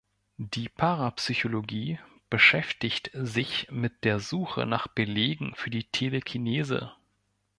Die Parapsychologie beschäftigt sich mit der Suche nach Belegen für die Telekinese.